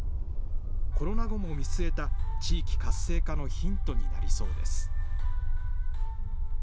コロナ後も見据えた地域活性化のヒントになりそうです。